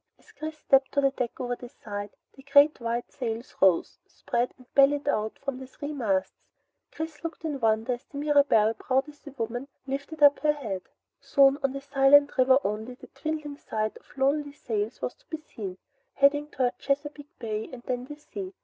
As Chris stepped to the deck over the side, the great white sails rose, spread, and bellied out from the three masts. Chris looked in wonder as the Mirabelle, proud as a woman, lifted up her head. Soon on the silent river only a dwindling sight of lonely sails was to be seen, heading toward Chesapeake Bay and then to sea.